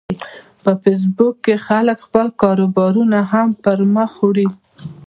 په فېسبوک کې خلک خپل کاروبارونه هم پرمخ وړي